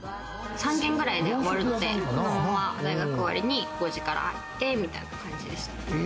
３限くらいで終わるので、そのまま大学終わりに５時から入ってみたいな感じです。